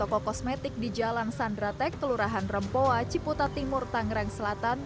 toko kosmetik di jalan sandratek kelurahan rempoa ciputa timur tangerang selatan